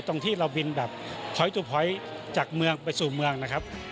ตรงที่เราบินแบบถอยตัวพ้อยจากเมืองไปสู่เมืองนะครับ